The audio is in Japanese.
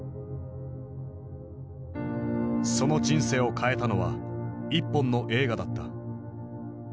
その人生を変えたのは一本の映画だった。